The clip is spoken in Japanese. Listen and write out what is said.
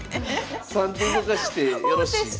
３手動かしてよろしいですね？